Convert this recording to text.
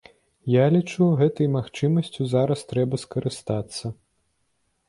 Я лічу, гэтай магчымасцю зараз трэба скарыстацца.